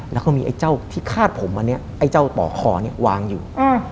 แล้วก็มีไอ้เจ้าที่คาดผมอันนี้ไอ้เจ้าป่อคอเนี่ยวางอยู่